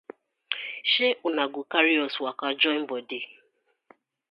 Sey una go karry us waka join bodi.